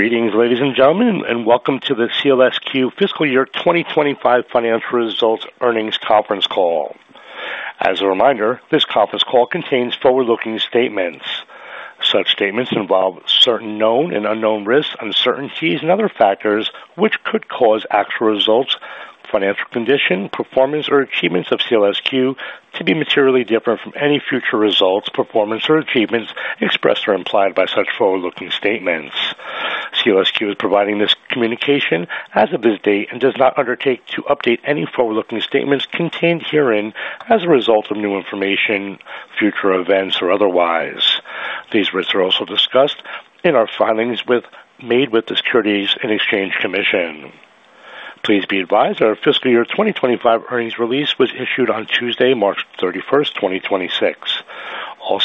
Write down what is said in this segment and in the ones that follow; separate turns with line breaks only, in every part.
Greetings, ladies and gentlemen, and welcome to the SEALSQ Fiscal Year 2025 Financial Results Earnings Conference Call. As a reminder, this conference call contains forward-looking statements. Such statements involve certain known and unknown risks, uncertainties and other factors which could cause actual results, financial condition, performance or achievements of SEALSQ to be materially different from any future results, performance or achievements expressed or implied by such forward-looking statements. SEALSQ is providing this communication as of this date and does not undertake to update any forward-looking statements contained herein as a result of new information, future events or otherwise. These risks are also discussed in our filings made with the Securities and Exchange Commission. Please be advised, our fiscal year 2025 earnings release was issued on Tuesday, March 31st, 2026. Our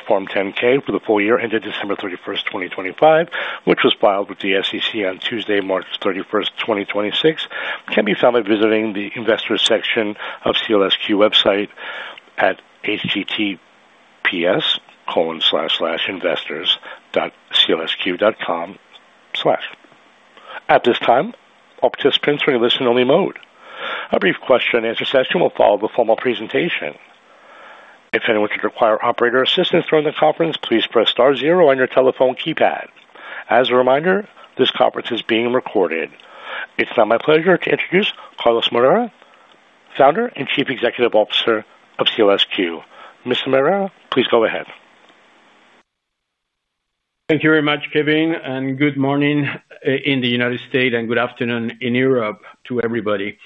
Form 10-K for the full-year ended December 31st, 2025, which was filed with the SEC on Tuesday, March 31st, 2026, can be found by visiting the investors section of SEALSQ website at https://investors.sealsq.com/. At this time, all participants are in listen-only mode. A brief question-answer-session will follow the formal presentation. If anyone should require operator assistance during the conference, please press star zero on your telephone keypad. As a reminder, this conference is being recorded. It's now my pleasure to introduce Carlos Moreira, Founder and Chief Executive Officer of SEALSQ. Mr. Moreira, please go ahead.
Thank you very much, Kevin, and good morning in the United States and good afternoon in Europe to everybody.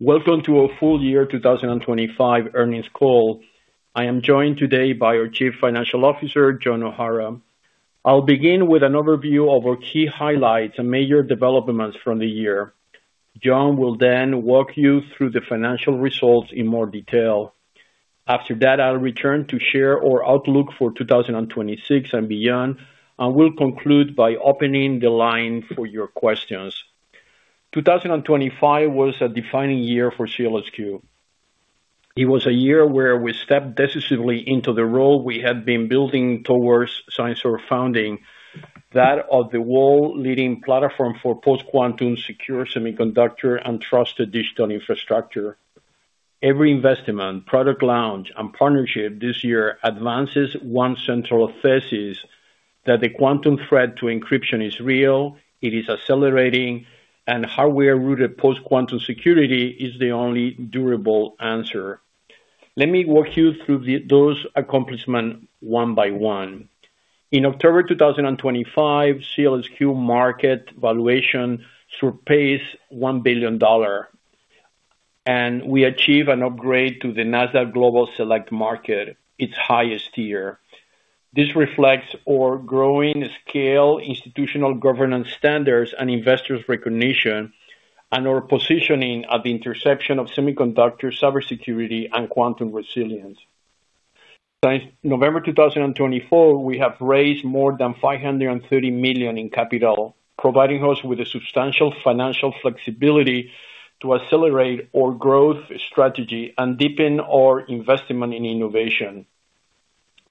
Welcome to our full-year 2025 earnings call. I am joined today by our Chief Financial Officer, John O'Hara. I'll begin with an overview of our key highlights and major developments from the year. John will then walk you through the financial results in more detail. After that, I'll return to share our outlook for 2026 and beyond, and we'll conclude by opening the line for your questions. 2025 was a defining year for SEALSQ. It was a year where we stepped decisively into the role we had been building towards since our founding, that of the world leading platform for post-quantum secure semiconductor and trusted digital infrastructure. Every investment, product launch and partnership this year advances one central thesis that the quantum threat to encryption is real, it is accelerating, and hardware-rooted post-quantum security is the only durable answer. Let me walk you through those accomplishments one by one. In October 2025, SEALSQ market valuation surpassed $1 billion, and we achieved an upgrade to the NASDAQ Global Select Market, its highest tier. This reflects our growing scale, institutional governance standards and investors' recognition and our positioning at the intersection of semiconductor, cybersecurity, and quantum resilience. Since November 2024, we have raised more than $530 million in capital, providing us with a substantial financial flexibility to accelerate our growth strategy and deepen our investment in innovation.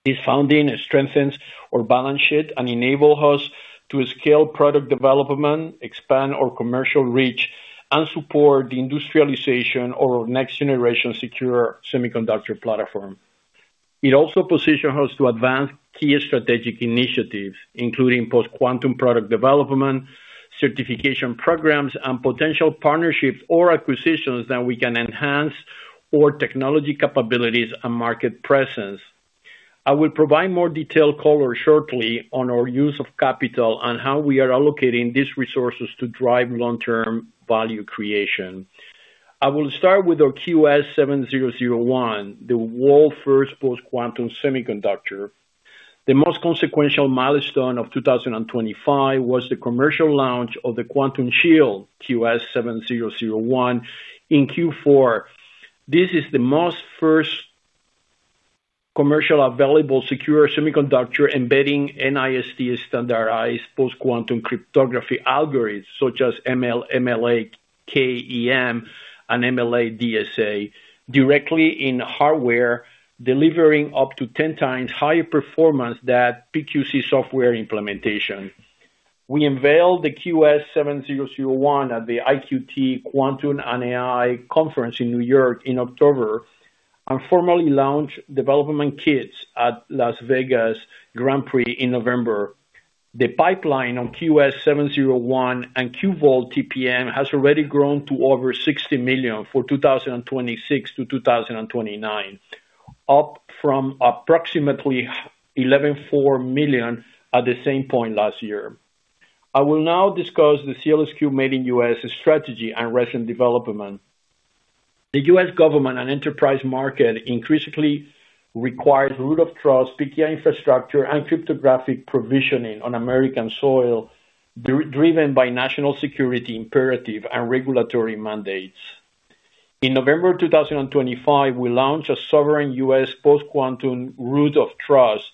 This funding strengthens our balance sheet and enable us to scale product development, expand our commercial reach, and support the industrialization of our next-generation secure semiconductor platform. It also positions us to advance key strategic initiatives, including post-quantum product development, certification programs, and potential partnerships or acquisitions that we can enhance our technology capabilities and market presence. I will provide more detailed color shortly on our use of capital and how we are allocating these resources to drive long-term value creation. I will start with our QS7001, the world's first post-quantum semiconductor. The most consequential milestone of 2025 was the commercial launch of the Quantum Shield QS7001 in Q4. This is the first commercial available secure semiconductor embedding NIST standardized post-quantum cryptography algorithms such as ML-KEM and ML-DSA directly in hardware, delivering up to 10x higher performance than PQC software implementation. We unveiled the QS7001 at the IQT Quantum + AI conference in New York in October and formally launched development kits at Las Vegas Grand Prix in November. The pipeline on QS7001 and QVault TPM has already grown to over $60 million for 2026 to 2029, up from approximately $11.4 million at the same point last year. I will now discuss the SEALSQ Made in U.S. strategy and recent development. The U.S. government and enterprise market increasingly requires root of trust, PKI infrastructure and cryptographic provisioning on American soil, driven by national security imperative and regulatory mandates. In November 2025, we launched a sovereign U.S. post-quantum root of trust,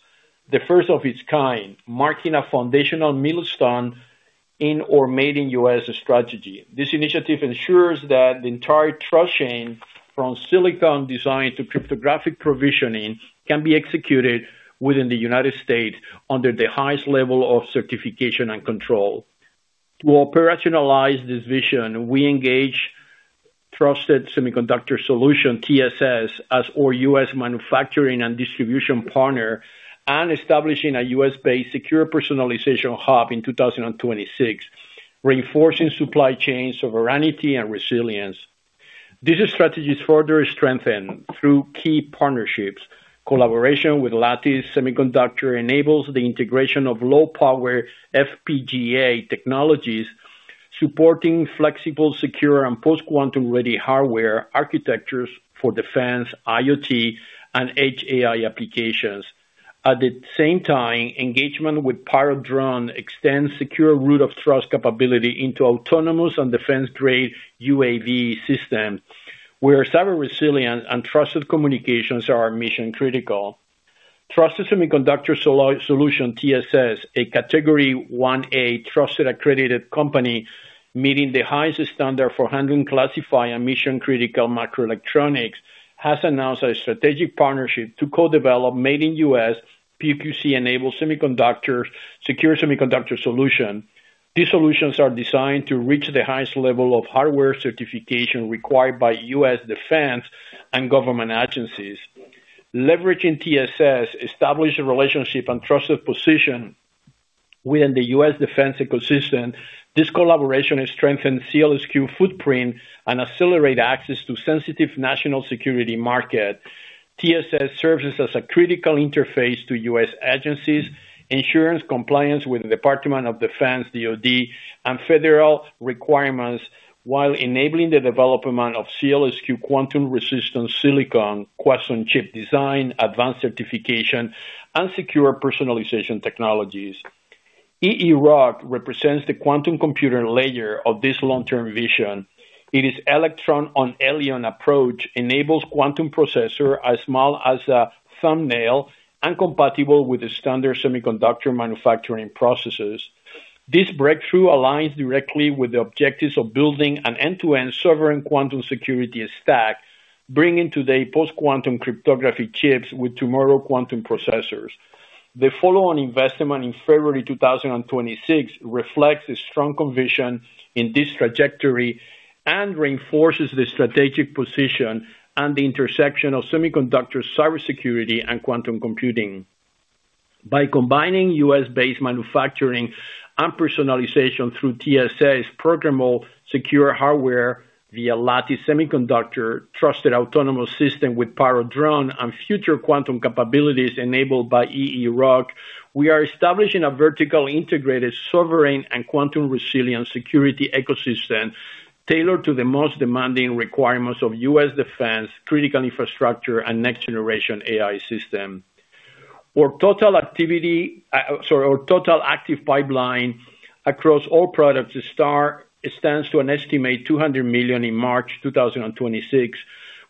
the first of its kind, marking a foundational milestone in our Made in U.S. strategy. This initiative ensures that the entire trust chain, from silicon design to cryptographic provisioning, can be executed within the United States under the highest level of certification and control. To operationalize this vision, we engage Trusted Semiconductor Solutions, TSS, as our U.S. manufacturing and distribution partner, and establishing a U.S.-based secure personalization hub in 2026, reinforcing supply chain sovereignty and resilience. These strategies further strengthen through key partnerships. Collaboration with Lattice Semiconductor enables the integration of low power FPGA technologies, supporting flexible, secure and post-quantum ready hardware architectures for defense, IoT and HAI applications. At the same time, engagement with Pyrodrone extends secure root of trust capability into autonomous and defense grade UAV system, where cyber resilience and trusted communications are mission-critical. Trusted Semiconductor Solutions, TSS, a Category 1A trusted accredited company meeting the highest standard for handling classified and mission-critical microelectronics, has announced a strategic partnership to co-develop Made in U.S. PQC-enabled semiconductor, secure semiconductor solution. These solutions are designed to reach the highest level of hardware certification required by U.S. defense and government agencies. Leveraging TSS established relationship and trusted position within the U.S. defense ecosystem. This collaboration has strengthened SEALSQ footprint and accelerate access to sensitive national security market. TSS serves as a critical interface to U.S. agencies, ensures compliance with the Department of Defense, DoD, and federal requirements, while enabling the development of SEALSQ quantum-resistant silicon, quantum chip design, advanced certification and secure personalization technologies. EeroQ represents the quantum computer layer of this long-term vision. Its electron-on-helium approach enables quantum processor as small as a thumbnail and compatible with the standard semiconductor manufacturing processes. This breakthrough aligns directly with the objectives of building an end-to-end sovereign quantum security stack, bringing today post-quantum cryptography chips with tomorrow quantum processors. The follow-on investment in February 2026 reflects the strong conviction in this trajectory and reinforces the strategic position and the intersection of semiconductor, cybersecurity and quantum computing. By combining U.S.-based manufacturing and personalization through TSS programmable secure hardware via Lattice Semiconductor, trusted autonomous system with Pyrodrone and future quantum capabilities enabled by EeroQ, we are establishing a vertical, integrated, sovereign and quantum resilient security ecosystem tailored to the most demanding requirements of U.S. defense, critical infrastructure and next-generation AI system. Our total activity, our total active pipeline across all products currently stands to an estimated $200 million in March 2026.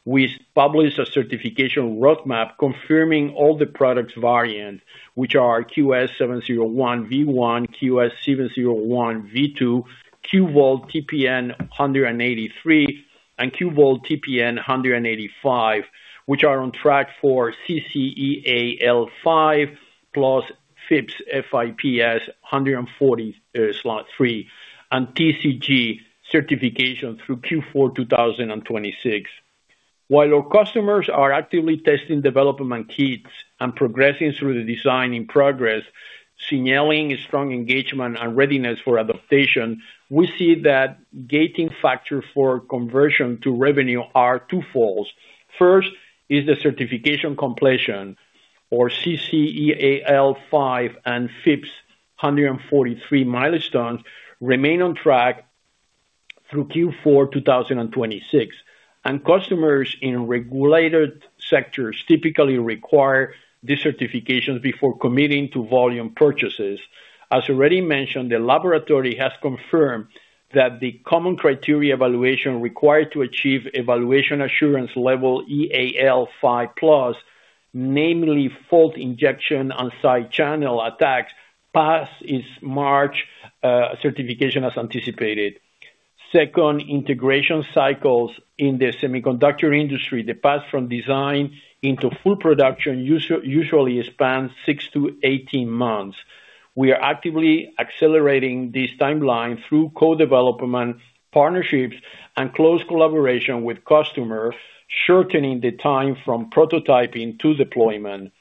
We published a certification roadmap confirming all the product variants, which are QS7001 V1, QS7001 V2, QVault TPM 183, and QVault TPM 185, which are on track for CC EAL5+ FIPS 140-3 and TCG certification through Q4 2026. While our customers are actively testing development kits and progressing through the design in progress, signaling a strong engagement and readiness for adaptation, we see that gating factor for conversion to revenue are twofolds. First is the certification completion or CC EAL5+ and FIPS 140-3 milestones remain on track through Q4 2026, and customers in regulated sectors typically require the certifications before committing to volume purchases. As already mentioned, the laboratory has confirmed that the common criteria evaluation required to achieve evaluation assurance level EAL5+, namely fault injection and side channel attacks, passed its March certification as anticipated. Second, integration cycles in the semiconductor industry. The path from design into full production usually spans six to 18 months. We are actively accelerating this timeline through co-development partnerships and close collaboration with customers, shortening the time from prototyping to deployment.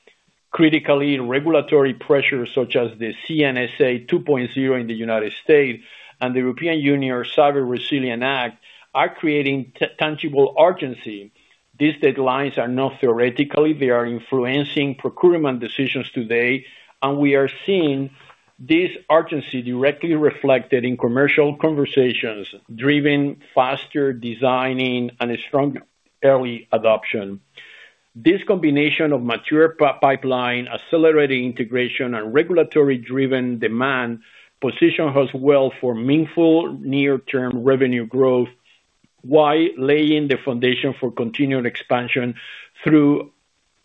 Critically, regulatory pressures such as the CNSA 2.0 in the United States and the European Union Cyber Resilience Act are creating tangible urgency. These deadlines are not theoretical, they are influencing procurement decisions today, and we are seeing this urgency directly reflected in commercial conversations, driving faster design and a strong early adoption. This combination of mature pipeline, accelerating integration and regulatory-driven demand position us well for meaningful near-term revenue growth, while laying the foundation for continued expansion through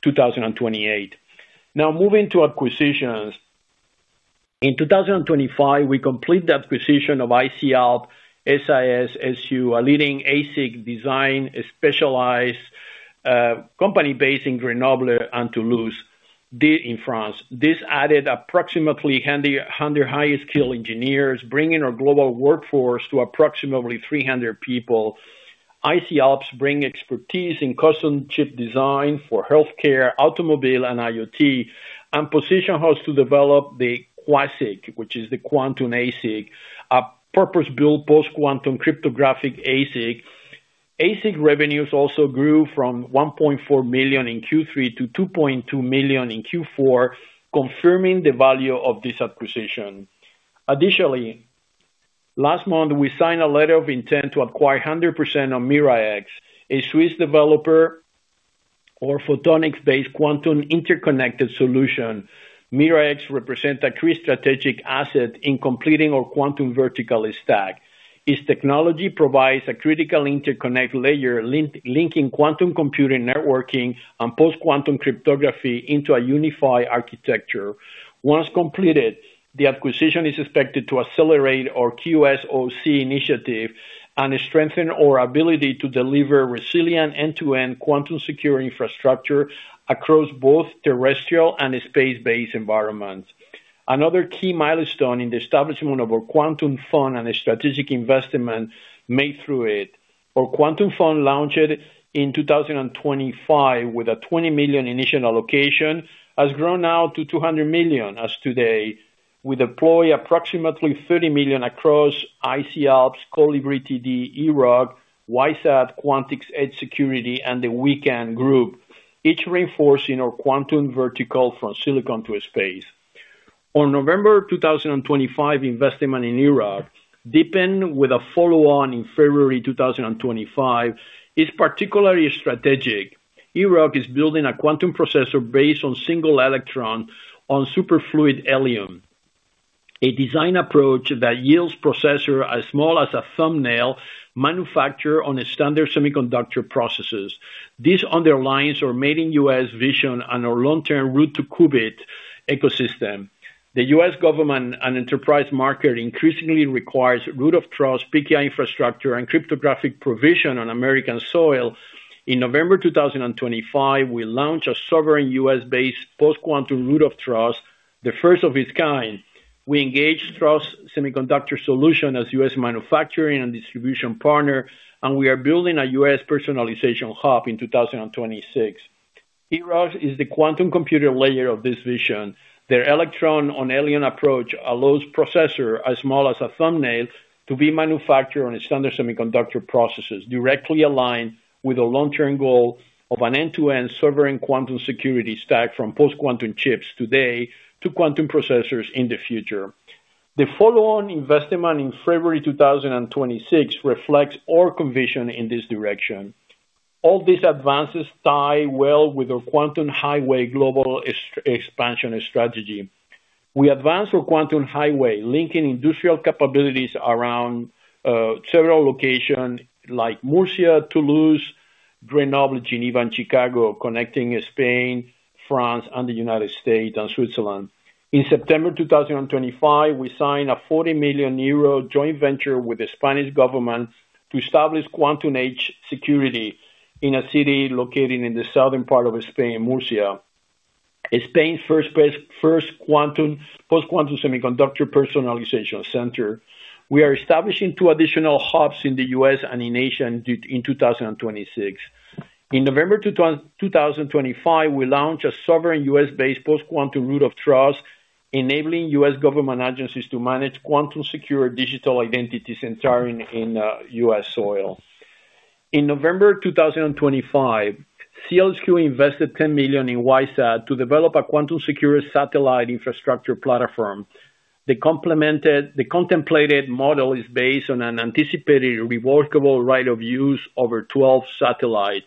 2028. Now moving to acquisitions. In 2025, we completed the acquisition of IC'Alps, a leading ASIC design specialist, company based in Grenoble and Toulouse in France. This added approximately a hundred highly skilled engineers, bringing our global workforce to approximately 300 people. IC'Alps bring expertise in custom chip design for healthcare, automotive, and IoT, and position us to develop the QASIC, which is the quantum ASIC, a purpose-built post-quantum cryptographic ASIC. ASIC revenues also grew from $1.4 million in Q3 to $2.2 million in Q4, confirming the value of this acquisition. Additionally, last month, we signed a letter of intent to acquire 100% of Miraex, a Swiss developer of photonics-based quantum interconnect solution. Miraex represents a key strategic asset in completing our quantum vertical stack. Its technology provides a critical interconnect layer link, linking quantum computing networking and post-quantum cryptography into a unified architecture. Once completed, the acquisition is expected to accelerate our QSOC initiative and strengthen our ability to deliver resilient end-to-end quantum secure infrastructure across both terrestrial and space-based environments. Another key milestone in the establishment of our Quantum Fund and a strategic investment made through it. Our Quantum Fund launched in 2025 with a $20 million initial allocation, has grown now to $200 million as of today. We deploy approximately $30 million across IC'Alps, ColibriTD, EeroQ, WISeSat, Quantix Edge Security, and the Wecan Group, each reinforcing our quantum vertical from silicon to space. On November 2025, investment in EeroQ deepened with a follow-on in February 2025, is particularly strategic. EeroQ is building a quantum processor based on single electron on superfluid helium, a design approach that yields processor as small as a thumbnail manufactured on a standard semiconductor process. This underlines our Made in U.S. vision and our long-term route to qubit ecosystem. The U.S. government and enterprise market increasingly require root of trust, PKI infrastructure, and cryptographic provision on American soil. In November 2025, we launched a sovereign U.S.-based post-quantum root of trust, the first of its kind. We engaged Trusted Semiconductor Solutions as U.S. manufacturing and distribution partner, and we are building a U.S. personalization hub in 2026. EeroQ is the quantum computer layer of this vision. Their electron-on-helium approach allows processors as small as a thumbnail to be manufactured on standard semiconductor processes, directly aligned with a long-term goal of an end-to-end sovereign quantum security stack from post-quantum chips today to quantum processors in the future. The follow-on investment in February 2026 reflects our conviction in this direction. All these advances tie well with the Quantum Highway global expansion strategy. We advanced our Quantum Highway, linking industrial capabilities around several locations like Murcia, Toulouse, Grenoble, Geneva, and Chicago, connecting Spain, France, and the United States, and Switzerland. In September 2025, we signed a 40 million euro joint venture with the Spanish government to establish Quantix Edge Security in a city located in the southern part of Spain, Murcia, and Spain's first post-quantum semiconductor personalization center. We are establishing two additional hubs in the U.S. and in Asia during 2026. In November 2025, we launched a sovereign U.S.-based post-quantum root of trust, enabling U.S. government agencies to manage quantum-secure digital identities entirely in U.S. soil. In November 2025, SEALSQ invested $10 million in WISeSat to develop a quantum-secure satellite infrastructure platform. The contemplated model is based on an anticipated revocable right of use over 12 satellites.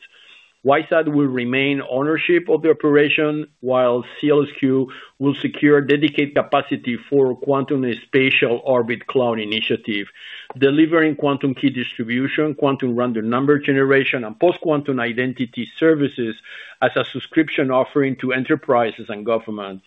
WISeSat will retain ownership of the operation while SEALSQ will secure dedicated capacity for Quantum Spatial Orbital Cloud initiative, delivering quantum key distribution, quantum random number generation, and post-quantum identity services as a subscription offering to enterprises and governments.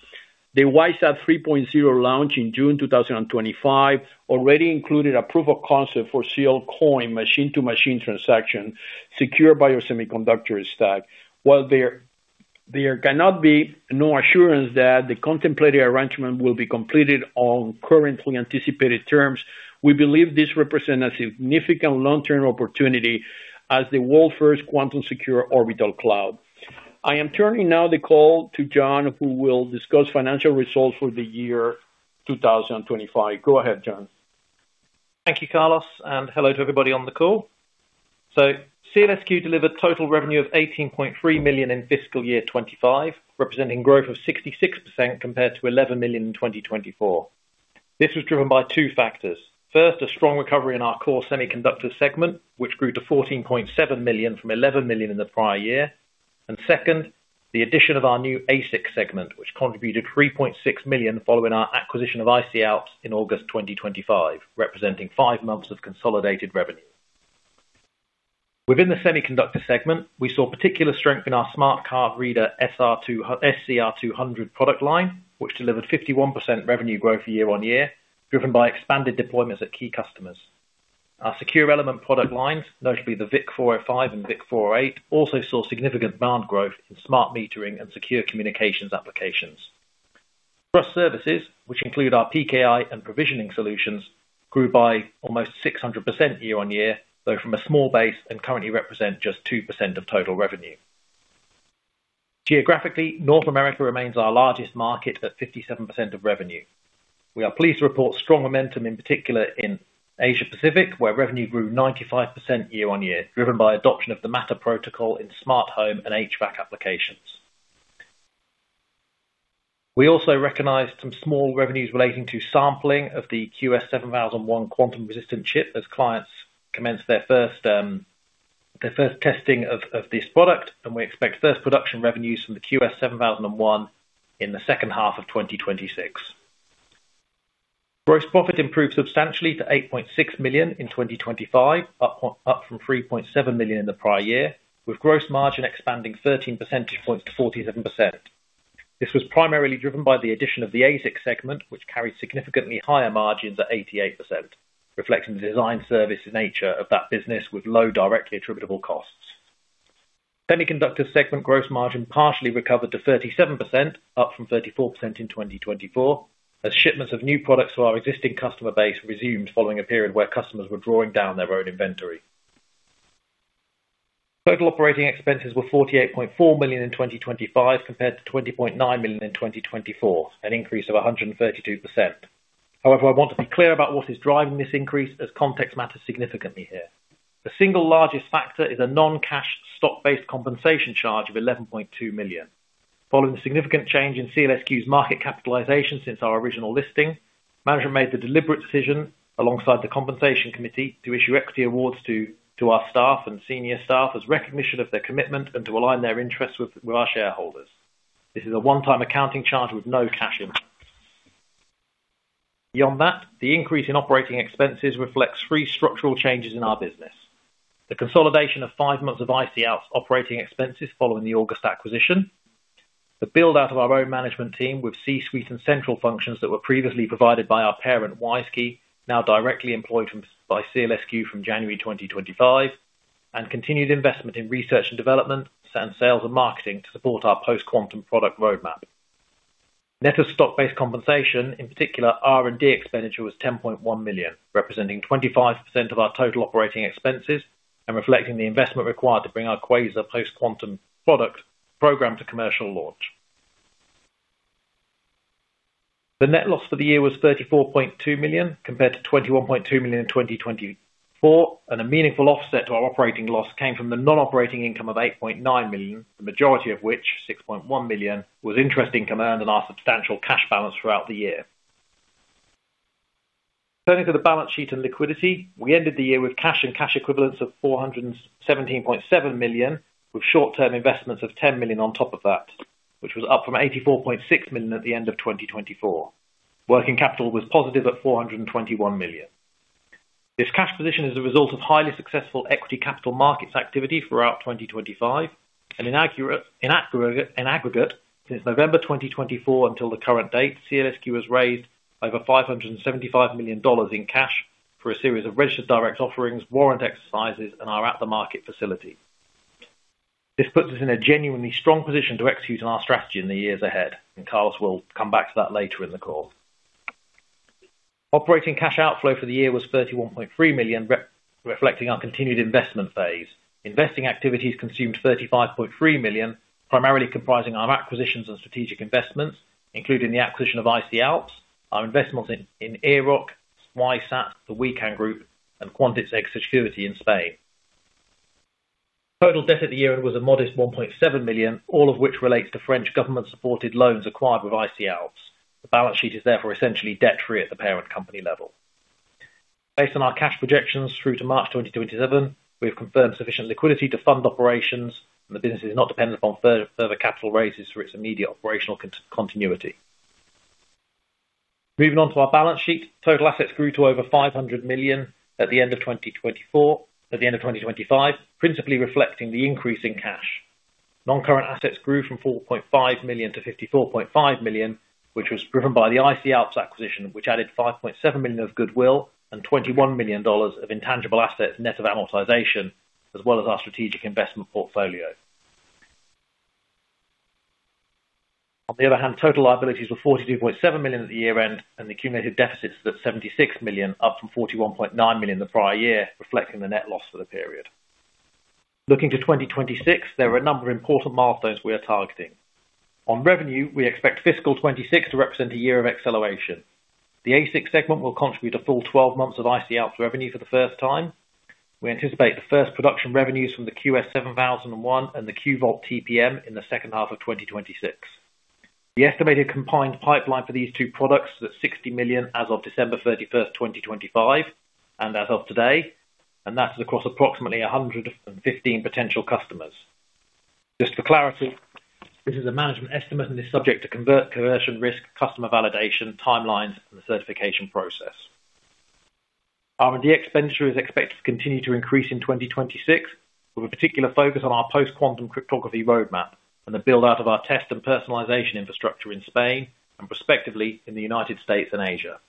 The WISeSat 3.0 launch in June 2025 already included a proof of concept for SEALCOIN machine-to-machine transaction secured by our semiconductor stack, while there can be no assurance that the contemplated arrangement will be completed on currently anticipated terms. We believe this represents a significant long-term opportunity as the world's first quantum-secure orbital cloud. I am now turning the call to John, who will discuss financial results for the year 2025. Go ahead, John.
Thank you, Carlos, and hello to everybody on the call. SEALSQ delivered total revenue of $18.3 million in fiscal year 2025, representing growth of 66% compared to $11 million in 2024. This was driven by two factors. First, a strong recovery in our core semiconductor segment, which grew to $14.7 million from $11 million in the prior year. Second, the addition of our new ASIC segment, which contributed $3.6 million following our acquisition of IC'Alps in August 2025, representing five months of consolidated revenue. Within the semiconductor segment, we saw particular strength in our smart card reader SCR200 product line, which delivered 51% revenue growth year-on-year, driven by expanded deployments at key customers. Our secure element product lines, notably the VIC 405 and VIC 408, also saw significant demand growth in smart metering and secure communications applications. Trust services, which include our PKI and provisioning solutions, grew by almost 600% year-on-year, though from a small base and currently represent just 2% of total revenue. Geographically, North America remains our largest market at 57% of revenue. We are pleased to report strong momentum, in particular in Asia Pacific, where revenue grew 95% year-on-year, driven by adoption of the Matter protocol in smart home and HVAC applications. We also recognized some small revenues relating to sampling of the QS7001 quantum-resistant chip as clients commenced their first testing of this product, and we expect first production revenues from the QS7001 in the second half of 2026. Gross profit improved substantially to $8.6 million in 2025, up from $3.7 million in the prior year, with gross margin expanding 13 percentage points to 47%. This was primarily driven by the addition of the ASIC segment, which carried significantly higher margins at 88%, reflecting the design service nature of that business with low directly attributable costs. Semiconductor segment gross margin partially recovered to 37%, up from 34% in 2024, as shipments of new products to our existing customer base resumed following a period where customers were drawing down their own inventory. Total operating expenses were $48.4 million in 2025 compared to $20.9 million in 2024, an increase of 132%. However, I want to be clear about what is driving this increase as context matters significantly here. The single largest factor is a non-cash stock-based compensation charge of $11.2 million. Following the significant change in SEALSQ's market capitalization since our original listing, management made the deliberate decision, alongside the compensation committee, to issue equity awards to our staff and senior staff as recognition of their commitment and to align their interests with our shareholders. This is a one-time accounting charge with no cash in. Beyond that, the increase in operating expenses reflects three structural changes in our business. The consolidation of five months of IC'Alps operating expenses following the August acquisition. The build-out of our own management team with C-suite and central functions that were previously provided by our parent, WISeKey, now directly employed by SEALSQ from January 2025. Continued investment in research and development, and sales and marketing to support our post-quantum product roadmap. Net of stock-based compensation, in particular, R&D expenditure was $10.1 million, representing 25% of our total operating expenses and reflecting the investment required to bring our QUASARS post-quantum product program to commercial launch. The net loss for the year was $34.2 million compared to $21.2 million in 2024, and a meaningful offset to our operating loss came from the non-operating income of $8.9 million, the majority of which, $6.1 million, was interest income earned on our substantial cash balance throughout the year. Turning to the balance sheet and liquidity. We ended the year with cash and cash equivalents of $417.7 million, with short-term investments of $10 million on top of that, which was up from $84.6 million at the end of 2024. Working capital was positive at $421 million. This cash position is a result of highly successful equity capital markets activity throughout 2025, and in aggregate, since November 2024 until the current date, SEALSQ has raised over $575 million in cash for a series of registered direct offerings, warrant exercises, and our at-the-market facility. This puts us in a genuinely strong position to execute on our strategy in the years ahead, and Carlos will come back to that later in the call. Operating cash outflow for the year was $31.3 million, reflecting our continued investment phase. Investing activities consumed $35.3 million, primarily comprising our acquisitions and strategic investments, including the acquisition of IC'Alps, our investments in EeroQ, WISeSat, the Wecan Group, and Quantix Edge Security in Spain. Total debt at the year end was a modest $1.7 million, all of which relates to French government-supported loans acquired with IC'Alps. The balance sheet is therefore essentially debt-free at the parent company level. Based on our cash projections through to March 2027, we have confirmed sufficient liquidity to fund operations, and the business is not dependent upon further capital raises for its immediate operational continuity. Moving on to our balance sheet. Total assets grew to over $500 million at the end of 2024, at the end of 2025, principally reflecting the increase in cash. Non-current assets grew from $4.5 million to $54.5 million, which was driven by the IC'Alps acquisition, which added $5.7 million of goodwill and $21 million of intangible assets net of amortization, as well as our strategic investment portfolio. On the other hand, total liabilities were $42.7 million at the year end, and accumulated deficits at $76 million, up from $41.9 million the prior year, reflecting the net loss for the period. Looking to 2026, there are a number of important milestones we are targeting. On revenue, we expect fiscal 2026 to represent a year of acceleration. The ASIC segment will contribute a full 12 months of IC'Alps revenue for the first time. We anticipate the first production revenues from the QS7001 and the QVault TPM in the second half of 2026. The estimated combined pipeline for these two products is at $60 million as of December 31st, 2025, and as of today, and that is across approximately 115 potential customers. Just for clarity, this is a management estimate and is subject to conversion risk, customer validation, timelines, and the certification process. R&D expenditure is expected to continue to increase in 2026. With a particular focus on our post-quantum cryptography roadmap and the build out of our test and personalization infrastructure in Spain and respectively in the United States and Asia.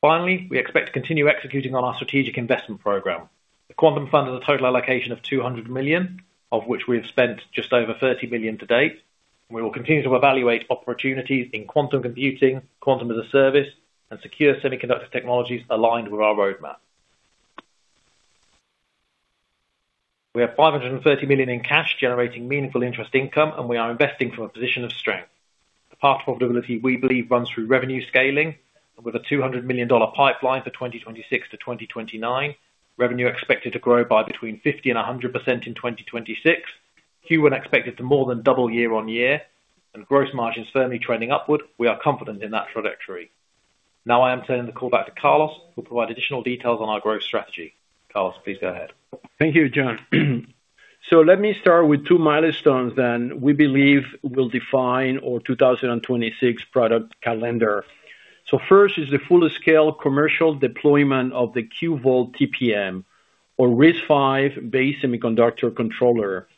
Finally, we expect to continue executing on our strategic investment program. The Quantum Fund has a total allocation of $200 million, of which we have spent just over $30 million to date. We will continue to evaluate opportunities in quantum computing, quantum-as-a-service and secure semiconductor technologies aligned with our roadmap. We have $530 million in cash generating meaningful interest income, and we are investing from a position of strength. The path to profitability, we believe, runs through revenue scaling with a $200 million pipeline for 2026 to 2029. Revenue expected to grow by between 50% and 100% in 2026. Q1 expected to more than double year-over-year, and gross margins firmly trending upward. We are confident in that trajectory. Now I am turning the call back to Carlos, who'll provide additional details on our growth strategy. Carlos, please go ahead.
Thank you, John. Let me start with two milestones that we believe will define our 2026 product calendar. First is the full-scale commercial deployment of the QVault TPM or RISC-V-based semiconductor controller,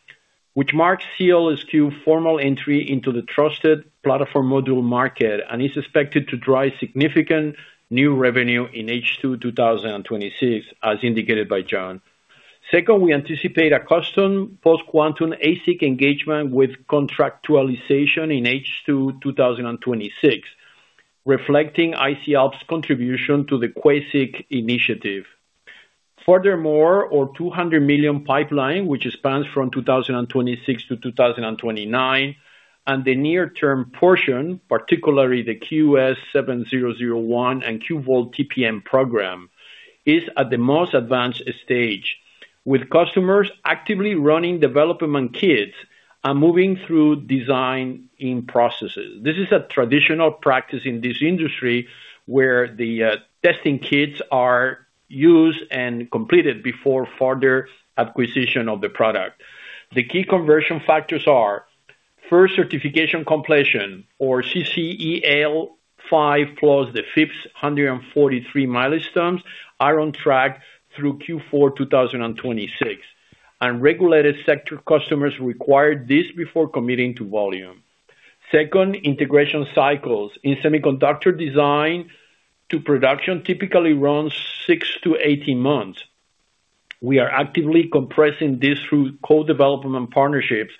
which marks SEALSQ's formal entry into the trusted platform module market and is expected to drive significant new revenue in H2 2026, as indicated by John. Second, we anticipate a custom post-quantum ASIC engagement with contractualization in H2 2026, reflecting IC'Alps' contribution to the QASIC initiative. Furthermore, our $200 million pipeline, which spans from 2026 to 2029, and the near-term portion, particularly the QS7001 and QVault TPM program, is at the most advanced stage, with customers actively running development kits and moving through design-in processes. This is a traditional practice in this industry where the testing kits are used and completed before further acquisition of the product. The key conversion factors are first certification completion or CC EAL5+ the FIPS 140-3 milestones are on track through Q4 2026, and regulated sector customers require this before committing to volume. Second, integration cycles in semiconductor design to production typically runs six to 18 months. We are actively compressing this through co-development partnerships.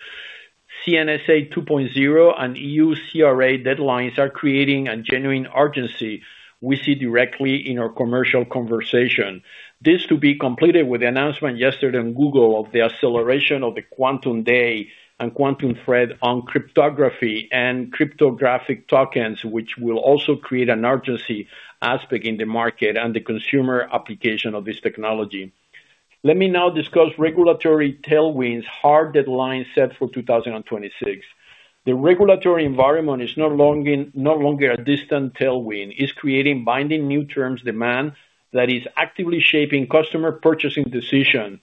CNSA 2.0 and EU CRA deadlines are creating a genuine urgency we see directly in our commercial conversation. This to be completed with the announcement yesterday on Google of the acceleration of the Quantum Day and quantum threat on cryptography and cryptographic tokens, which will also create an urgency aspect in the market and the consumer application of this technology. Let me now discuss regulatory tailwinds hard deadline set for 2026. The regulatory environment is no longer a distant tailwind. It's creating binding new terms demand that is actively shaping customer purchasing decision.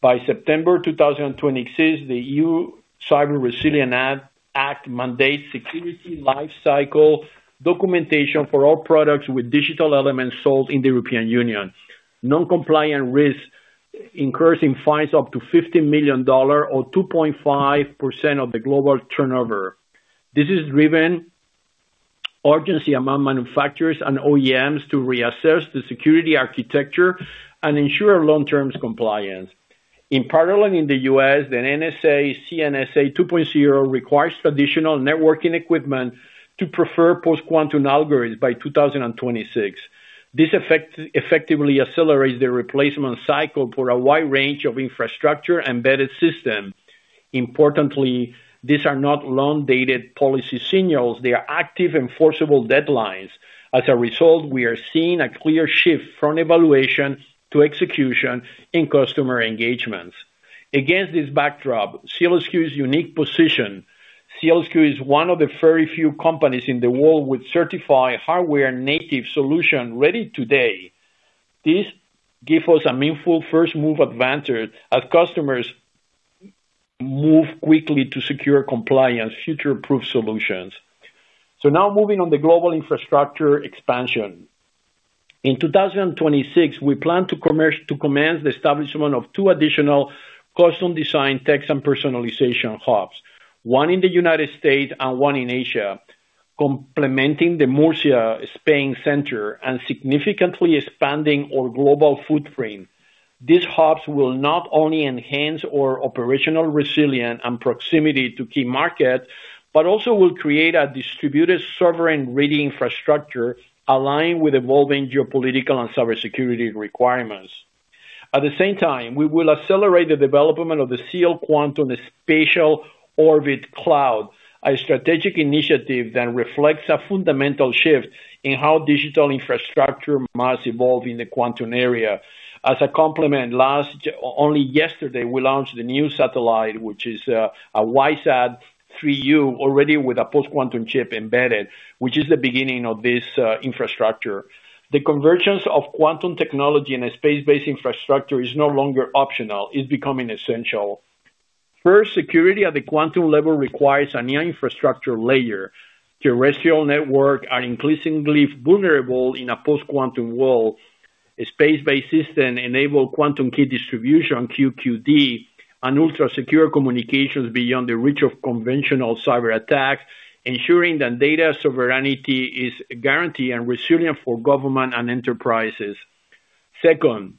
By September 2026, the EU Cyber Resilience Act mandates security lifecycle documentation for all products with digital elements sold in the European Union. Non-compliant risks incur fines up to $50 million or 2.5% of the global turnover. This has driven urgency among manufacturers and OEMs to reassess the security architecture and ensure long-term compliance. In parallel, in the U.S., the NSA's CNSA 2.0 requires traditional networking equipment to prefer post-quantum algorithms by 2026. This effectively accelerates the replacement cycle for a wide range of infrastructure embedded system. Importantly, these are not long dated policy signals. They are active enforceable deadlines. As a result, we are seeing a clear shift from evaluation to execution in customer engagements. Against this backdrop, SEALSQ's unique position. SEALSQ is one of the very few companies in the world with certified hardware native solution ready today. This give us a meaningful first move advantage as customers move quickly to secure compliance future-proof solutions. Now moving on the global infrastructure expansion. In 2026, we plan to commence the establishment of two additional custom design tech and personalization hubs, one in the United States and one in Asia, complementing the Murcia Spain Center and significantly expanding our global footprint. These hubs will not only enhance our operational resilience and proximity to key markets, but also will create a distributed sovereign ready infrastructure aligned with evolving geopolitical and cybersecurity requirements. At the same time, we will accelerate the development of the Quantum Spatial Orbital Cloud, a strategic initiative that reflects a fundamental shift in how digital infrastructure must evolve in the quantum era. As a complement, only yesterday, we launched a new satellite, which is, a WISeSat 3U already with a post-quantum chip embedded, which is the beginning of this, infrastructure. The convergence of quantum technology in a space-based infrastructure is no longer optional. It's becoming essential. First, security at the quantum level requires a new infrastructure layer. Terrestrial networks are increasingly vulnerable in a post-quantum world. A space-based system enables quantum key distribution, QKD, and ultra-secure communications beyond the reach of conventional cyber attack, ensuring that data sovereignty is guaranteed and resilient for government and enterprises. Second,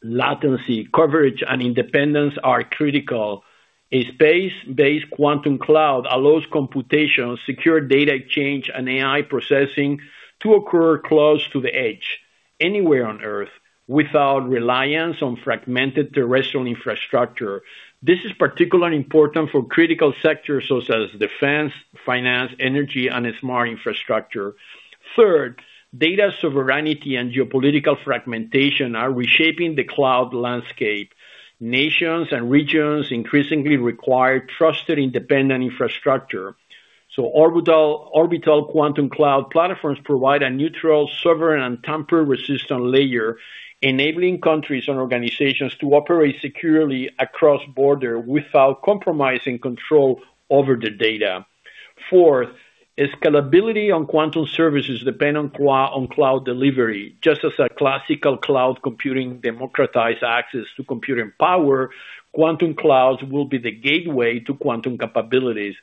latency, coverage, and independence are critical. A space-based quantum cloud allows computation, secure data exchange, and AI processing to occur close to the edge, anywhere on Earth, without reliance on fragmented terrestrial infrastructure. This is particularly important for critical sectors such as defense, finance, energy, and smart infrastructure. Third, data sovereignty and geopolitical fragmentation are reshaping the cloud landscape. Nations and regions increasingly require trusted, independent infrastructure. Orbital quantum cloud platforms provide a neutral, sovereign, and tamper-resistant layer, enabling countries and organizations to operate securely across borders without compromising control over the data. Fourth, scalability on quantum services depend on cloud delivery. Just as a classical cloud computing democratize access to computing power, quantum clouds will be the gateway to quantum capabilities.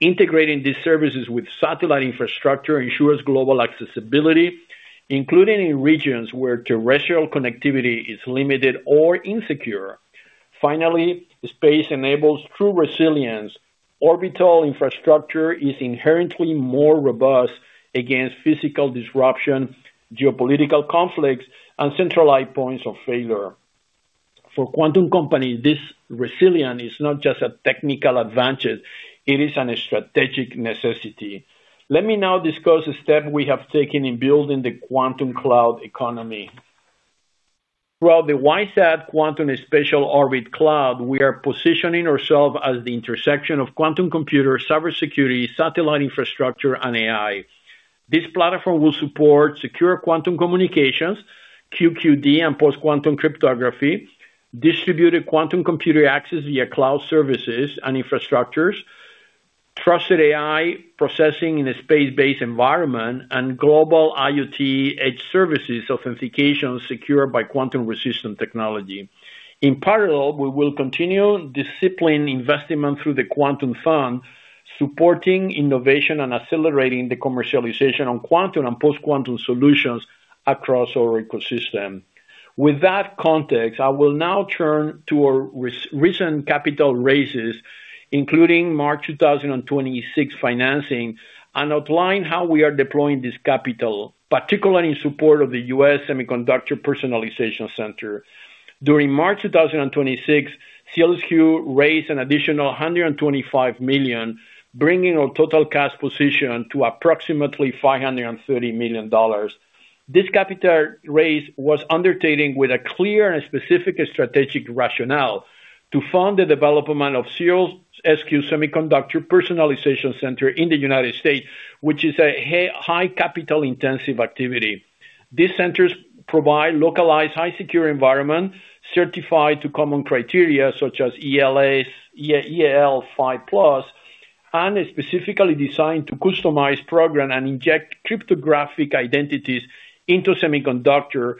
Integrating these services with satellite infrastructure ensures global accessibility, including in regions where terrestrial connectivity is limited or insecure. Finally, space enables true resilience. Orbital infrastructure is inherently more robust against physical disruption, geopolitical conflicts, and centralized points of failure. For quantum companies, this resilience is not just a technical advantage, it is a strategic necessity. Let me now discuss the steps we have taken in building the quantum cloud economy. Through the Quantum Spatial Orbital Cloud, we are positioning ourselves as the intersection of quantum computing, cybersecurity, satellite infrastructure, and AI. This platform will support secure quantum communications, QKD, and post-quantum cryptography, distributed quantum computing access via cloud services and infrastructures, trusted AI processing in a space-based environment, and global IoT edge services authentication secured by quantum-resistant technology. In parallel, we will continue disciplined investment through the Quantum Fund, supporting innovation and accelerating the commercialization of quantum and post-quantum solutions across our ecosystem. With that context, I will now turn to our recent capital raises, including March 2026 financing, and outline how we are deploying this capital, particularly in support of the U.S. Semiconductor Personalization Center. During March 2026, SEALSQ raised an additional $125 million, bringing our total cash position to approximately $530 million. This capital raise was undertaken with a clear and specific strategic rationale to fund the development of SEALSQ Semiconductor Personalization Center in the United States, which is a high capital-intensive activity. These centers provide localized, high-secure environment certified to common criteria such as EAL5+, and is specifically designed to customize, program, and inject cryptographic identities into semiconductors,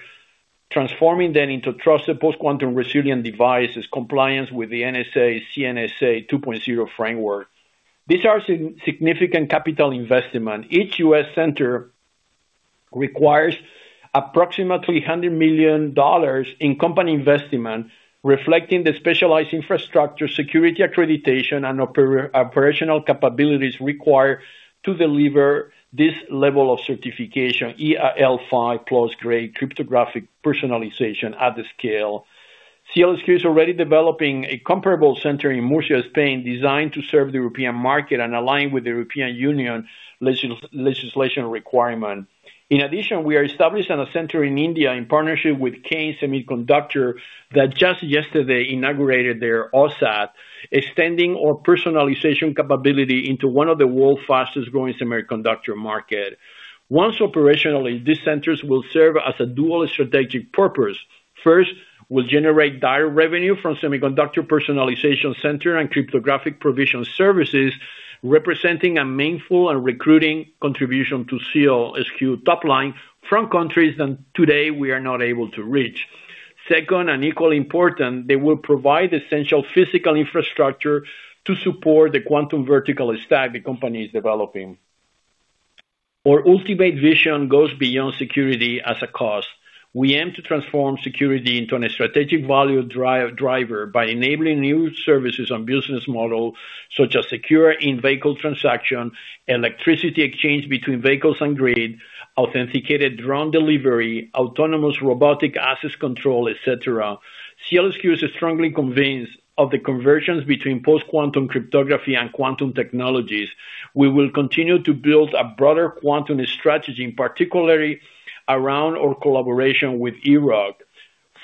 transforming them into trusted post-quantum resilient devices compliant with the NSA's CNSA 2.0 framework. These are significant capital investments. Each U.S. center requires approximately $100 million in company investment, reflecting the specialized infrastructure, security accreditation, and operational capabilities required to deliver this level of certification, EAL5+ grade cryptographic personalization at scale. SEALSQ is already developing a comparable center in Murcia, Spain, designed to serve the European market and align with the European Union legislation requirement. In addition, we are establishing a center in India in partnership with Kaynes Semicon that just yesterday inaugurated their OSAT, extending our personalization capability into one of the world's fastest-growing semiconductor markets. Once operational, these centers will serve a dual strategic purpose. First, we'll generate direct revenue from semiconductor personalization centers and cryptographic provision services, representing a meaningful and recurring contribution to SEALSQ's top line from countries that today we are not able to reach. Second, and equally important, they will provide essential physical infrastructure to support the quantum vertical stack the company is developing. Our ultimate vision goes beyond security as a cost. We aim to transform security into a strategic value driver by enabling new services and business models, such as secure in-vehicle transaction, electricity exchange between vehicles and grid, authenticated drone delivery, autonomous robotic access control, et cetera. SEALSQ is strongly convinced of the convergence between post-quantum cryptography and quantum technologies. We will continue to build a broader quantum strategy, in particular around our collaboration with EeroQ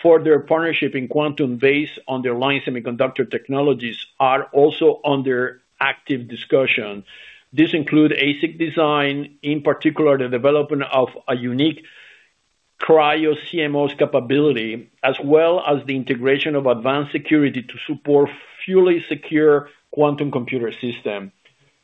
for their partnership in quantum based on their leading semiconductor technologies are also under active discussion. This includes ASIC design, in particular the development of a unique Cryo-CMOS capability, as well as the integration of advanced security to support fully secure quantum computer system.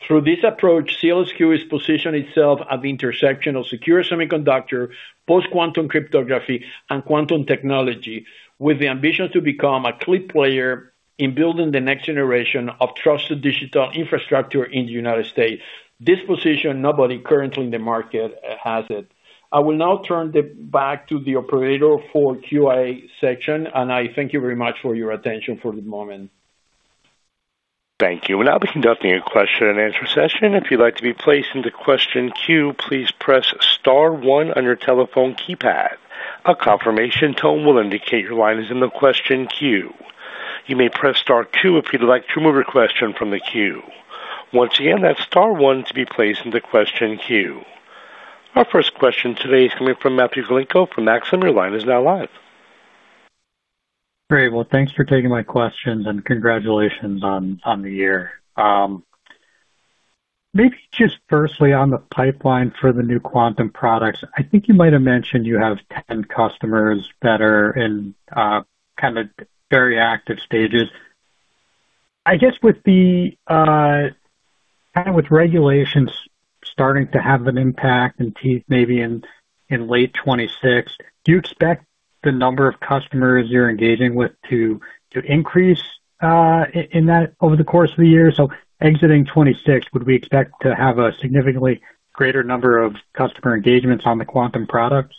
Through this approach, SEALSQ has positioned itself at the intersection of secure semiconductor, post-quantum cryptography, and quantum technology, with the ambition to become a key player in building the next generation of trusted digital infrastructure in the United States. This position, nobody currently in the market has it. I will now turn it back to the operator for QA section, and I thank you very much for your attention for the moment.
Thank you. We'll now be conducting a question-and-answer session. If you'd like to be placed into question queue, please press star one on your telephone keypad. A confirmation tone will indicate your line is in the question queue. You may press star two if you'd like to remove your question from the queue. Once again, that's star one to be placed in the question queue. Our first question today is coming from Matthew Galinko from Maxim. Your line is now live.
Great. Well, thanks for taking my questions, and congratulations on the year. Maybe just firstly on the pipeline for the new quantum products. I think you might have mentioned you have 10 customers that are in kind of very active stages. I guess with regulations starting to have an impact with teeth maybe in late 2026, do you expect the number of customers you're engaging with to increase in 2026 over the course of the year? Exiting 2026, would we expect to have a significantly greater number of customer engagements on the quantum products?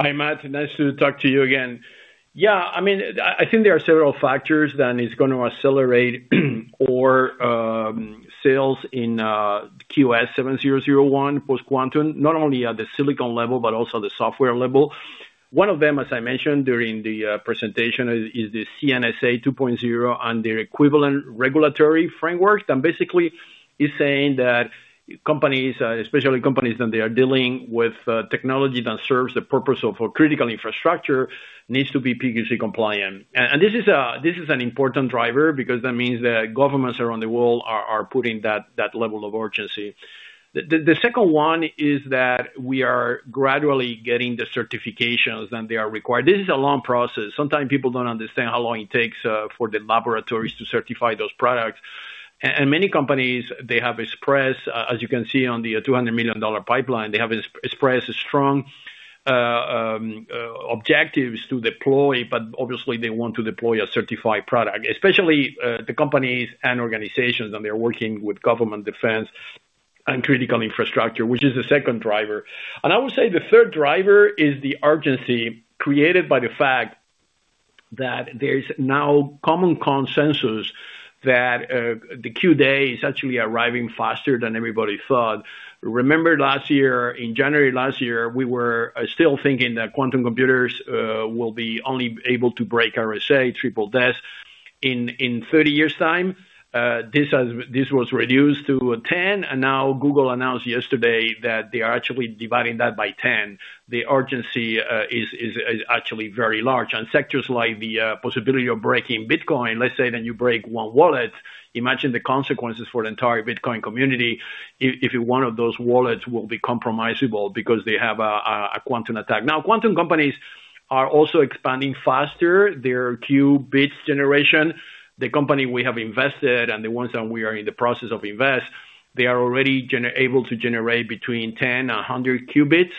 Hi, Matt. Nice to talk to you again. Yeah, I mean, I think there are several factors that is gonna accelerate our sales in QS7001 post quantum, not only at the silicon level but also the software level. One of them, as I mentioned during the presentation, is the CNSA 2.0 and their equivalent regulatory frameworks. That basically is saying that companies, especially companies that they are dealing with technology that serves the purpose of a critical infrastructure, needs to be PQC compliant. And this is an important driver because that means that governments around the world are putting that level of urgency. The second one is that we are gradually getting the certifications, and they are required. This is a long process. Sometimes people don't understand how long it takes for the laboratories to certify those products. And many companies, they have expressed, as you can see on the $200 million pipeline, they have expressed strong objectives to deploy, but obviously they want to deploy a certified product, especially the companies and organizations, and they're working with government defense and critical infrastructure, which is the second driver. I would say the third driver is the urgency created by the fact that there is now common consensus that the Q-Day is actually arriving faster than everybody thought. Remember last year, in January last year, we were still thinking that quantum computers will be only able to break RSA 3DES in 30 years time. This was reduced to 10, and now Google announced yesterday that they are actually dividing that by 10. The urgency is actually very large. On sectors like the possibility of breaking Bitcoin, let's say then you break one wallet, imagine the consequences for the entire Bitcoin community if one of those wallets will be compromisable because they have a quantum attack. Now, quantum companies are also expanding faster their qubits generation. The company we have invested and the ones that we are in the process of investing, they are already able to generate between 10 qb and 100 qb,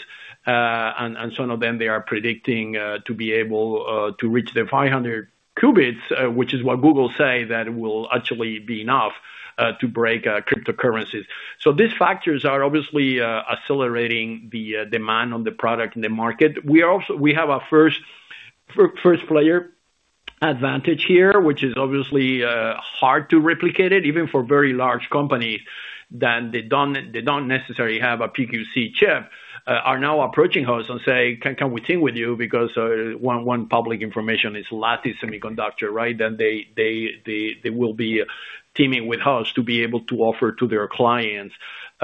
and some of them, they are predicting to be able to reach the 500 qb, which is what Google say that will actually be enough to break cryptocurrencies. These factors are obviously accelerating the demand on the product in the market. We have a first player advantage here, which is obviously hard to replicate it, even for very large companies, that they don't necessarily have a PQC chip, are now approaching us and say, "Can we team with you?" Because one public information is Lattice Semiconductor, right? Then they will be teaming with us to be able to offer to their clients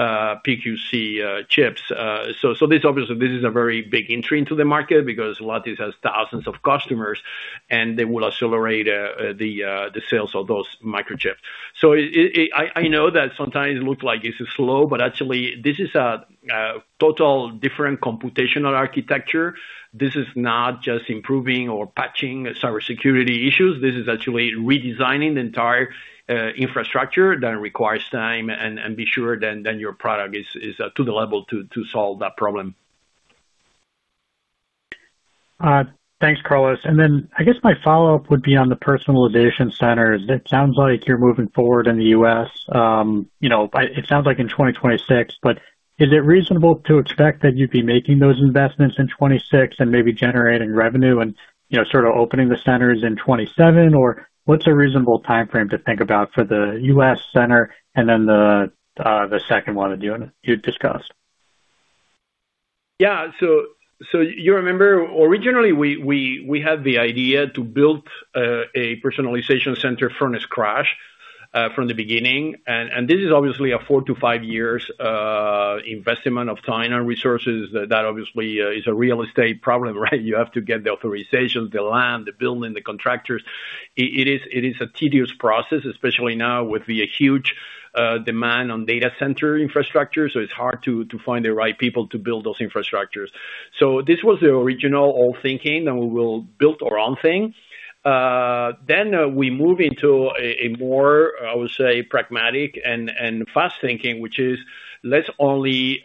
PQC chips. This obviously is a very big entry into the market because Lattice has thousands of customers, and they will accelerate the sales of those microchips. I know that sometimes it looks like this is slow, but actually this is a totally different computational architecture. This is not just improving or patching cybersecurity issues. This is actually redesigning the entire infrastructure that requires time and to be sure then your product is to the level to solve that problem.
Thanks, Carlos. I guess my follow-up would be on the personalization centers. It sounds like you're moving forward in the U.S., you know, in 2026, but is it reasonable to expect that you'd be making those investments in 2026 and maybe generating revenue and, you know, sort of opening the centers in 2027? Or what's a reasonable timeframe to think about for the U.S. center and then the second one that you discussed?
You remember originally we had the idea to build a Personalization Center furnace crash from the beginning, and this is obviously a four to five years investment of time and resources that obviously is a real estate problem, right? You have to get the authorizations, the land, the building, the contractors. It is a tedious process, especially now with the huge demand on data center infrastructure, so it's hard to find the right people to build those infrastructures. This was the original old thinking, and we will build our own thing. We move into a more, I would say, pragmatic and fast thinking, which is let's only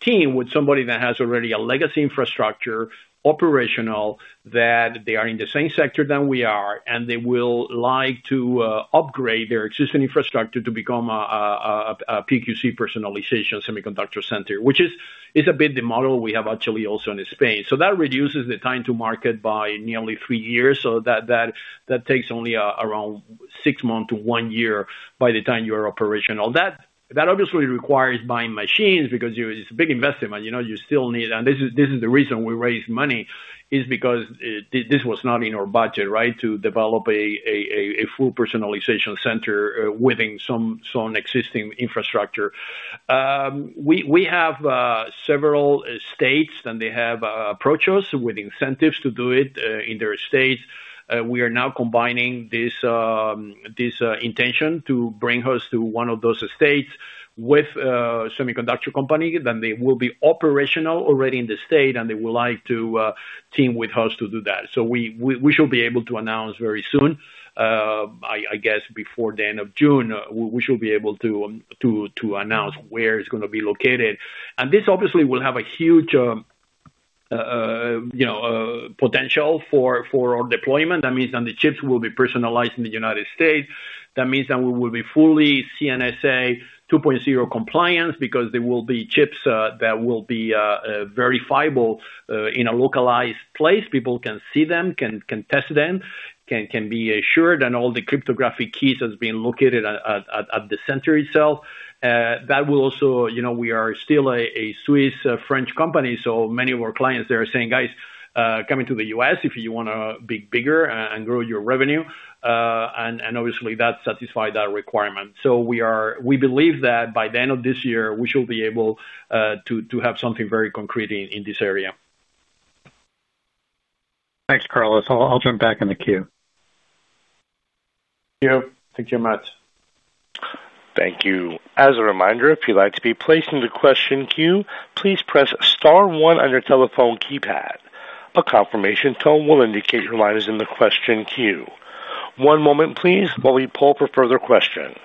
team with somebody that has already a legacy infrastructure operational, that they are in the same sector than we are, and they would like to upgrade their existing infrastructure to become a PQC personalization semiconductor center, which is a bit the model we have actually also in Spain. That reduces the time to market by nearly three years. That takes only around six months to one year by the time you are operational. That obviously requires buying machines. It's a big investment, you know. This is the reason we raise money, is because this was not in our budget, right? To develop a full personalization center within some existing infrastructure. We have several states, and they have approached us with incentives to do it in their state. We are now combining this intention to bring us to one of those states with a semiconductor company. They will be operational already in the state, and they will like to team with us to do that. We should be able to announce very soon, I guess, before the end of June. We should be able to announce where it's gonna be located. This obviously will have a huge you know potential for our deployment. That means then the chips will be personalized in the United States. That means that we will be fully CNSA 2.0 compliant because there will be chips that will be verifiable in a localized place. People can see them, can test them, can be assured, and all the cryptographic keys has been located at the center itself. That will also. You know, we are still a Swiss French company, so many of our clients, they are saying, "Guys, come into the U.S. if you wanna be bigger and grow your revenue." Obviously that satisfy that requirement. We believe that by the end of this year, we should be able to have something very concrete in this area.
Thanks, Carlos. I'll jump back in the queue.
Thank you. Thank you very much.
Thank you. As a reminder, if you'd like to be placed in the question queue, please press star one on your telephone keypad. A confirmation tone will indicate your line is in the question queue. One moment please, while we poll for further questions.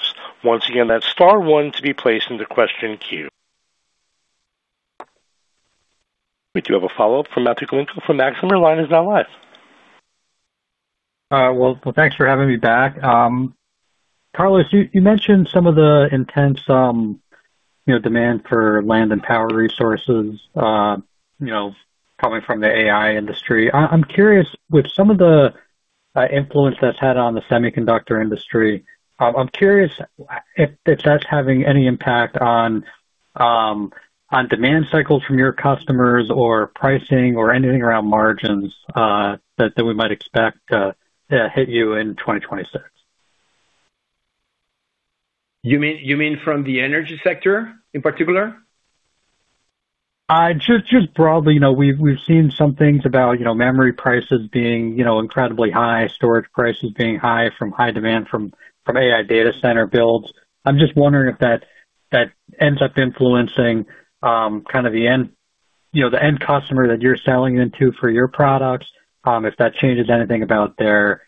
Once again, that's star one to be placed in the question queue. We do have a follow-up from Matthew Galinko from Maxim. Your line is now live.
Well, thanks for having me back. Carlos, you mentioned some of the intense, you know, demand for land and power resources, you know, coming from the AI industry. I'm curious, with some of the influence that's had on the semiconductor industry, if that's having any impact on demand cycles from your customers or pricing or anything around margins that we might expect hit you in 2026.
You mean from the energy sector in particular?
Just broadly. You know, we've seen some things about memory prices being incredibly high, storage prices being high from high demand from AI data center builds. I'm just wondering if that ends up influencing kind of the end customer that you're selling into for your products, if that changes anything about their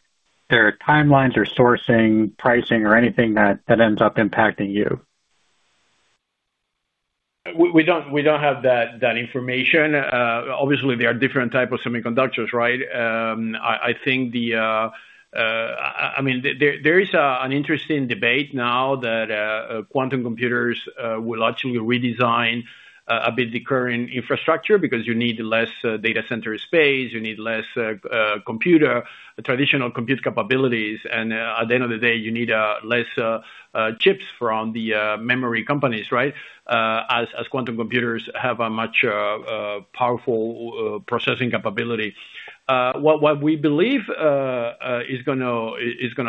timelines or sourcing, pricing or anything that ends up impacting you.
We don't have that information. Obviously, there are different type of semiconductors, right? There is an interesting debate now that quantum computers will actually redesign a bit the current infrastructure because you need less data center space, you need less traditional compute capabilities, and at the end of the day, you need less chips from the memory companies, right? As quantum computers have a much powerful processing capability. What we believe is gonna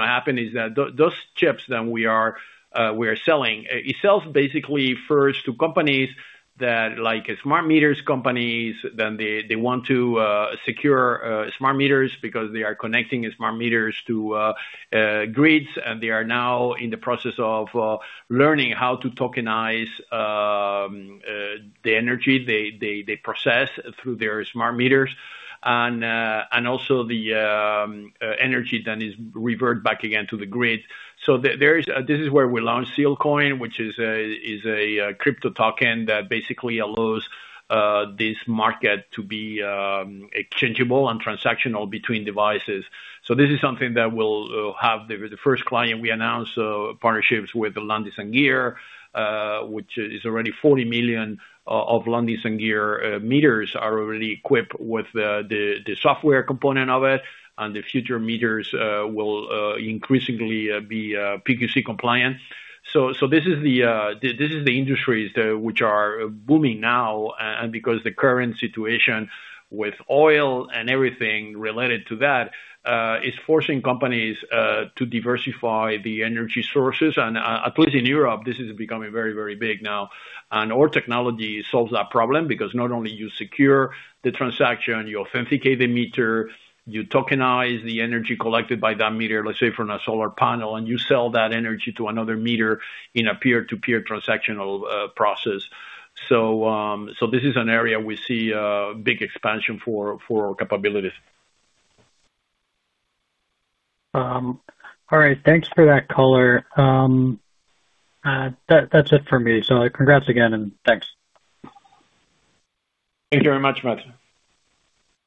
happen is that those chips that we are selling, it sells basically first to companies that, like smart meters companies, then they want to secure smart meters because they are connecting smart meters to grids. And they are now in the process of learning how to tokenize the energy they process through their smart meters and also the energy then is revert back again to the grid. This is where we launched SEALCOIN, which is a crypto token that basically allows this market to be exchangeable and transactional between devices. This is something that will have. The first client we announced partnerships with Landis+Gyr, which is already 40 million of Landis+Gyr meters are already equipped with the software component of it, and the future meters will increasingly be PQC compliant. This is the industries which are booming now, and because the current situation with oil and everything related to that is forcing companies to diversify the energy sources. At least in Europe, this is becoming very big now. Our technology solves that problem because not only you secure the transaction, you authenticate the meter, you tokenize the energy collected by that meter, let's say from a solar panel, and you sell that energy to another meter in a peer-to-peer transactional process. This is an area we see big expansion for our capabilities.
All right. Thanks for that color. That's it for me. Congrats again, and thanks.
Thank you very much, Matt.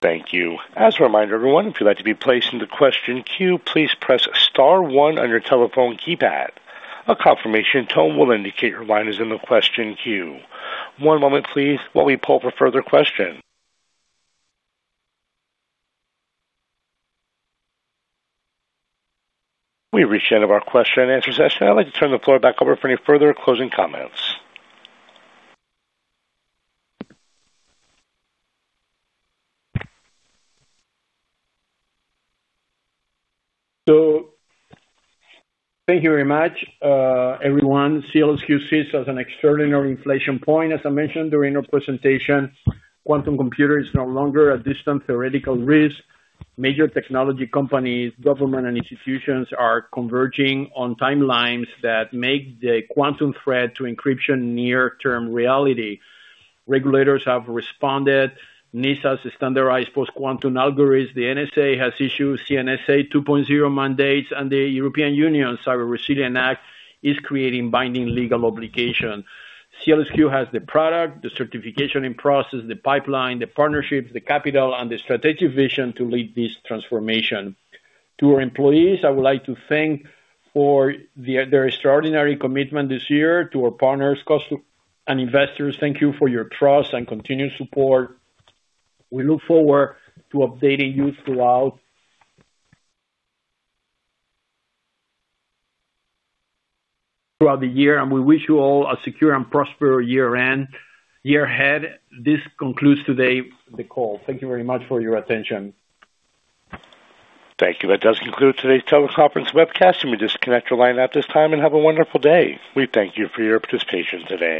Thank you. As a reminder, everyone, if you'd like to be placed in the question queue, please press star one on your telephone keypad. A confirmation tone will indicate your line is in the question queue. One moment please, while we pull for further question. We've reached the end of our question-and-answer session. I'd like to turn the floor back over for any further closing comments.
Thank you very much, everyone. SEALSQ sees this as an extraordinary inflection point. As I mentioned during our presentation, quantum computer is no longer a distant theoretical risk. Major technology companies, government, and institutions are converging on timelines that make the quantum threat to encryption near-term reality. Regulators have responded. NIST has standardized post-quantum algorithms. The NSA has issued CNSA 2.0 mandates, and the European Union Cyber Resilience Act is creating binding legal obligation. SEALSQ has the product, the certification in process, the pipeline, the partnerships, the capital, and the strategic vision to lead this transformation. To our employees, I would like to thank them for their extraordinary commitment this year. To our partners, customers, and investors, thank you for your trust and continued support. We look forward to updating you throughout the year, and we wish you all a secure and prosperous year ahead. This concludes today the call. Thank you very much for your attention.
Thank you. That does conclude today's teleconference webcast. You may disconnect your line at this time and have a wonderful day. We thank you for your participation today.